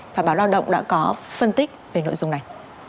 và báo lao động đã có phân tích về nội dung này